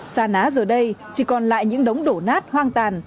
xa ná giờ đây chỉ còn lại những đống đổ nát hoang tàn